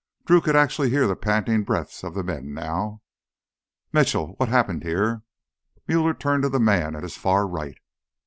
Drew could actually hear the panting breaths of the men now. "Mitchell, what happened here?" Muller turned to the man at his far right.